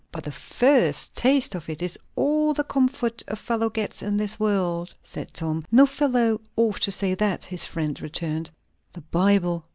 "But the first taste of it is all the comfort a fellow gets in this world," said Tom. "No fellow ought to say that," his friend returned. "The Bible!"